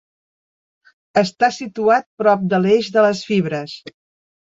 Està situat prop de l'eix de les fibres.